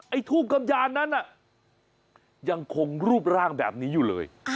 ทูบกำยานนั้นน่ะยังคงรูปร่างแบบนี้อยู่เลย